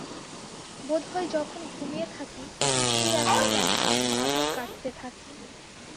বোধ হয় যখন ঘুমিয়ে থাকি তখন সেই একটা ব্যথা পাঁজর কাটতে থাকে।